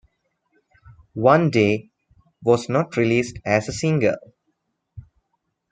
"One Day" was not released as a single.